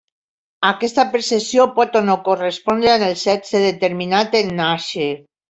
Aquesta percepció pot o no correspondre amb el sexe determinat en nàixer.